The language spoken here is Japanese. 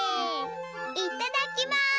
いただきます！